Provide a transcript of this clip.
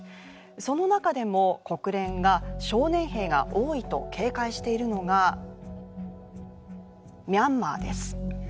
その中でも国連が少年兵が多いと警戒しているのがミャンマーです